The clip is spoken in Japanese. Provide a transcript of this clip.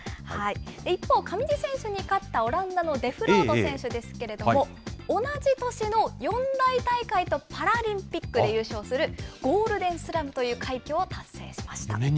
一方、上地選手に勝ったオランダのデフロート選手ですけれども、同じ年の四大大会とパラリンピックで優勝する、ゴールデンスラムという快挙を達成しました。